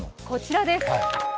こちらです。